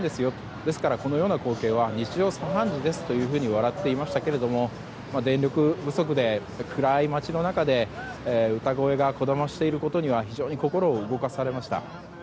ですから、このような光景は日常茶飯事ですと笑っていましたが電力不足で暗い街の中で歌声がこだましていることには非常に心を動かされました。